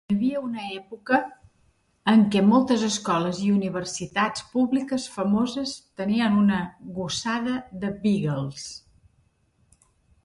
Hi havia una època en què moltes escoles i universitats públiques famoses tenien un gossada de "beagles".